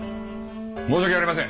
申し訳ありません。